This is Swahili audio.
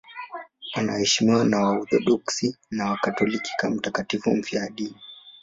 Anaheshimiwa na Waorthodoksi na Wakatoliki kama mtakatifu mfiadini.